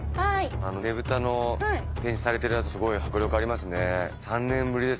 ねぶたの展示されてるやつすごい迫力ありますね。